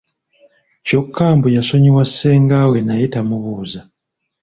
Kyokka mbu yasonyiwa ssenga we naye tamubuuza.